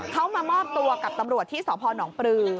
เขามามอบตัวกับตำรวจที่สพนปลือ